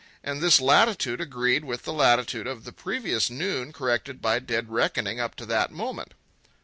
And this latitude agreed with the latitude of the previous noon corrected by dead reckoning up to that moment.